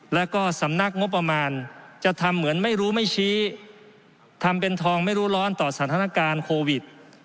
แล้วก็สำนักงบประมาณจะทำเหมือนไม่รู้ไม่ชี้ทำเป็นทองไม่รู้ร้อนต่อสถานการณ์โควิด